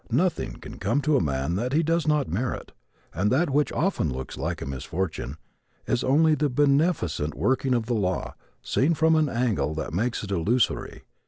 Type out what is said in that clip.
Nothing can come to a man that he does not merit and that which often looks like a misfortune is only the beneficent working of the law seen from an angle that makes it illusory.